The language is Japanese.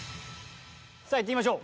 さあいってみましょう。